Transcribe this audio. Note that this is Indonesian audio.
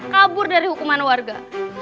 kabur dari hukuman warga